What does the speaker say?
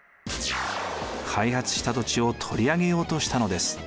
開発した土地を取り上げようとしたのです。